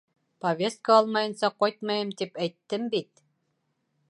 — Повестка алмайынса ҡайтмайым, тип әйттем бит.